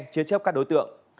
chia chép các đối tượng